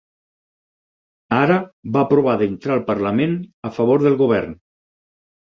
Ara va provar d'entrar al Parlament a favor del Govern.